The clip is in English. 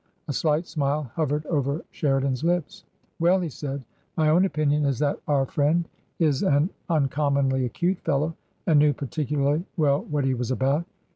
A slight smile hovered over Sheridan's lips. " Well," he said, " my own opinion is that our friend is an uncommonly acute fellow and knew particularly well what he was about.